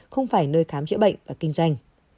không phải nơi khám chữa bệnh và kinh doanh